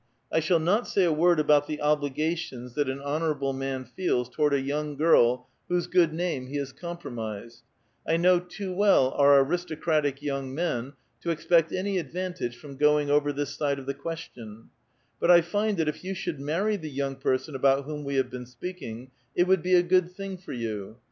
I shall not say a word about the obligations that an honorable man feels towards a young girl whose good name he luis compromised ; I know too well our aristocratic young men to expect any advantage from going over this side of the question, liut 1 find that if you should marry the young person about whom we have been speaking, it would be a good thing for you.